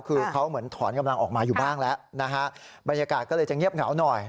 คือเขาเหมือนถอนกำลังออกมาอยู่บ้างแล้วนะฮะบรรยากาศก็เลยจะเงียบเหงาหน่อย